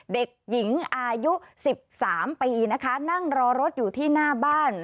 เด็กหญิงอายุ๑๓ปีนะคะนั่งรอรถอยู่ที่หน้าบ้าน